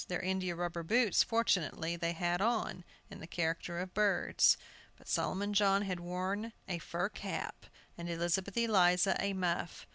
Their india rubber boots, fortunately, they had on, in the character of birds. But Solomon John had worn a fur cap, and Elizabeth Eliza a muff.